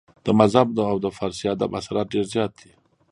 د مذهب او د فارسي ادب اثرات ډېر زيات دي